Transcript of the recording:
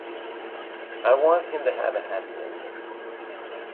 I want him to have a happy ending.